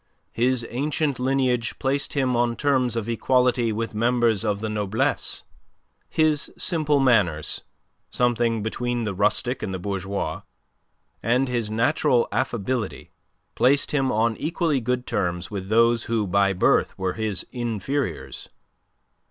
His ancient lineage placed him on terms of equality with members of the noblesse; his simple manners something between the rustic and the bourgeois and his natural affability placed him on equally good terms with those who by birth were his inferiors.